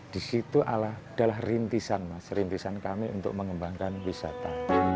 di situ adalah rintisan kami untuk mengembangkan wisata